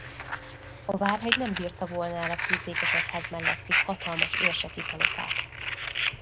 A Várhegy nem bírta volna el a főszékesegyház melletti hatalmas érseki palotát.